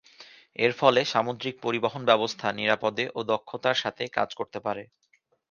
এর ফলে সামুদ্রিক পরিবহন ব্যবস্থা নিরাপদে ও দক্ষতার সাথে কাজ করতে পারে।